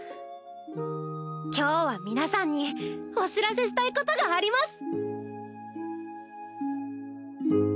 今日は皆さんにお知らせしたいことがあります！